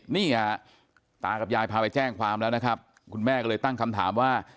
นี่ฮะตากับยายพาไปแจ้งความแล้วนะครับคุณแม่ก็เลยตั้งคำถามว่า